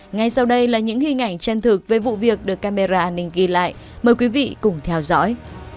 ngay sau đây là những hình ảnh chân thực về vụ việc được camera an ninh ghi lại mời quý vị cùng theo dõi